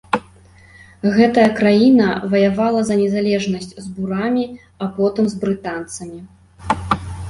Гэтая краіна ваявала за незалежнасць з бурамі, а потым з брытанцамі.